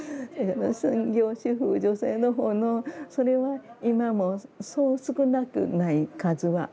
専業主婦女性の方のそれは今もそう少なくない数はあると思うんですね。